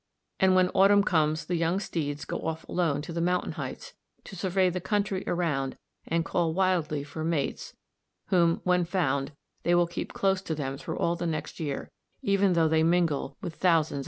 And when autumn comes the young steeds go off alone to the mountain heights to survey the country around and call wildly for mates, whom, when found, they will keep close to them through all the next year, even though they mingle with thousands of others.